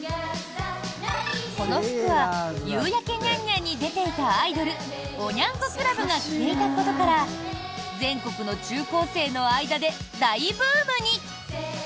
この服は「夕やけニャンニャン」に出ていたアイドルおニャン子クラブが着ていたことから全国の中高生の間で大ブームに！